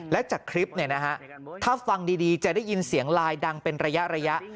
และจากคลิปถ้าฟังดีจะได้ยินเสียงลายดังเป็นระยะ